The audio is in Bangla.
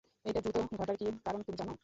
এইটা দ্রুত ঘটার কি কারণ তুমি জানো?